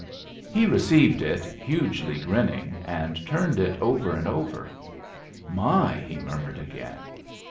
He received it, hugely grinning, and turned it over and over. "My!" he murmured again.